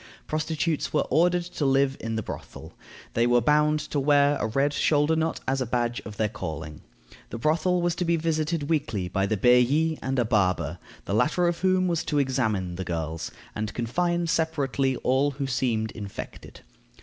Prostitutes were ordered to live in the brothel. They were bound to wear a red shoulder knot as a badge of their calling. The brothel was to be visited weekly by the bailli and a "barber," the latter of whom was to examine the girls, and confine separately all who seemed infected.